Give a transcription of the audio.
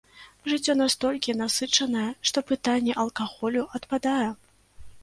Жыццё настолькі насычанае, што пытанне алкаголю адпадае.